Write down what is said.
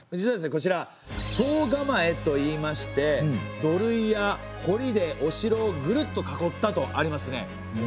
こちら惣構といいまして土塁やほりでお城をぐるっと囲ったとありますね。